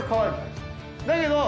だけど。